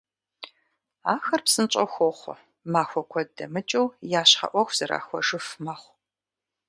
Ахэр псынщIэу хохъуэ, махуэ куэд дэмыкIыу я щхьэ Iуэху зэрахуэжыф мэхъу.